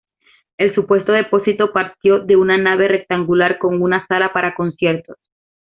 El supuesto depósito partió de una nave rectangular con una sala para conciertos.